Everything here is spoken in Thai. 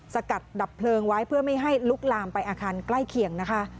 สกัดดับเพลิงไว้เพื่อไม่ให้ลุกลามไปอาคารใกล้เคียงนะคะ